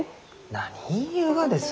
何言いゆうがです？